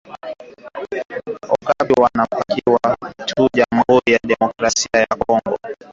Okapi anapatikana tu mu jamhuri ya democrasia ya kongo